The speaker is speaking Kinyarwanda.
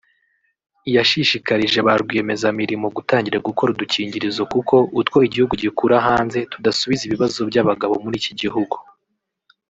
yashishikarije ba rwiyemezamirimo gutangira gukora udukingirizo kuko utwo igihugu gikura hanze tudasubiza ibibazo by’ abagabo muri iki gihugu